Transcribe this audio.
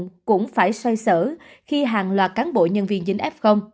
cơ quan anh cũng phải xoay sở khi hàng loạt cán bộ nhân viên dính f